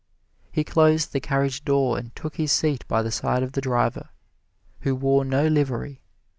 He closed the carriage door and took his seat by the side of the driver, who wore no livery.